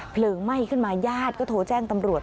เพลิงไหม้ขึ้นมาญาติก็โทรแจ้งตำรวจ